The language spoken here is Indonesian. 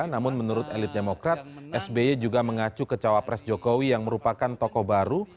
namun menurut elit demokrat sby juga mengacu ke cawapres jokowi yang merupakan tokoh baru